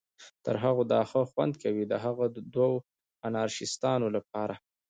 تر هغو دا ښه خوند کوي، د هغه دوو انارشیستانو لپاره.